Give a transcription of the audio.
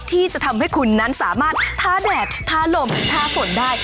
ที่จะทำให้คุณนั้นสามารถท้าแดดท้าลมหรือท้าฝนได้